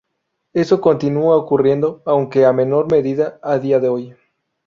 Eso continúa ocurriendo aunque a menor medida a día de hoy.